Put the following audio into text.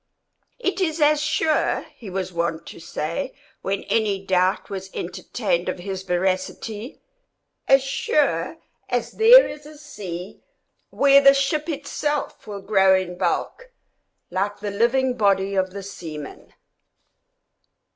"It is as sure," he was wont to say, when any doubt was entertained of his veracity, "as sure as there is a sea where the ship itself will grow in bulk like the living body of the seaman."